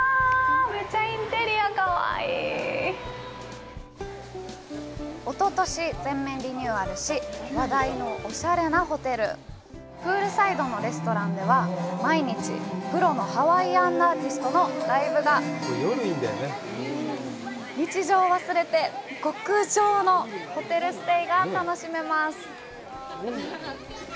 めっちゃインテリアかわいいおととし全面リニューアルし話題のおしゃれなホテルプールサイドのレストランでは毎日プロのハワイアンアーティストのライブが日常を忘れて極上のホテルステイが楽しめます